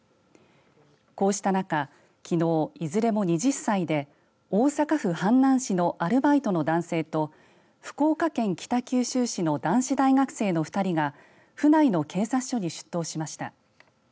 こうした中きのう、いずれも２０歳で大阪府阪南市のアルバイトの男性と福岡県北九州市の男子大学生の２人が府内の警察署に出頭しました。